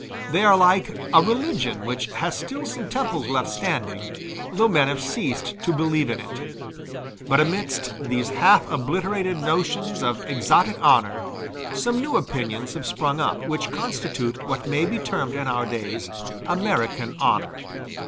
They are like a religion which has still some temples left standing, though men have ceased to believe in it. But amidst these half obliterated notions of exotic honor, some new opinions have sprung up, which constitute what may be termed in our days American honor.